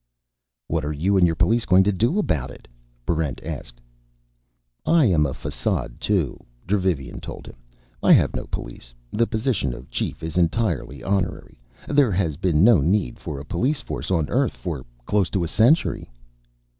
"What are you and your police going to do about it?" Barrent asked. "I am façade, too," Dravivian told him. "I have no police. The position of Chief is entirely honorary. There has been no need of a police force on Earth for close to a century."